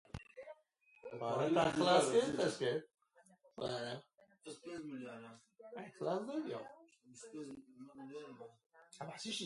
هەموو کەسێک پێویستی بە شوێنێکە بۆ ئەوەی پێی بڵێت ماڵەوە.